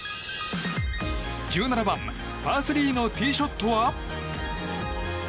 １７番、パー３のティーショットは。